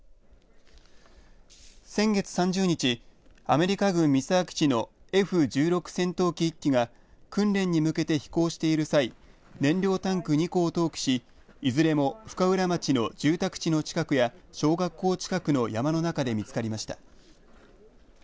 先月３０日アメリカ軍三沢基地のＦ１６戦闘機１機が訓練に向けて飛行している際燃料タンク２個を投棄しいずれも深浦町の住宅地の近くや小学校近くの山の中で見つかりました。